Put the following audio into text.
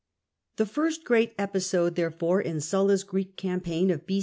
The first great episode, therefore, in Sulla's Greek campaign of B.